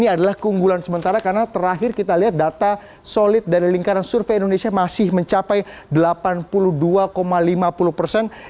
ini adalah keunggulan sementara karena terakhir kita lihat data solid dari lingkaran survei indonesia masih mencapai delapan puluh dua lima puluh persen